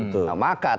tujuan ya bang